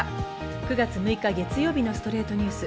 ９月６日、月曜日の『ストレイトニュース』。